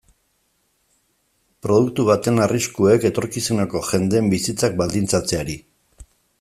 Produktu baten arriskuek etorkizuneko jendeen bizitzak baldintzatzeari.